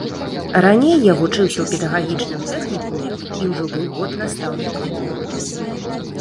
Раней я вучыўся ў педагагічным тэхнікуме і ўжо быў год настаўнікам.